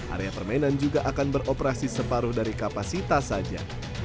area permainan juga akan beroperasi separuh dari kapasitas saja